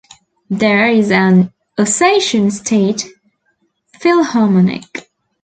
There is an Ossetian State Philharmonic.